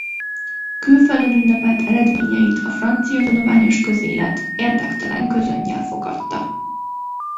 Külföldön ünnepelt eredményeit a francia tudományos közélet érdektelen közönnyel fogadta.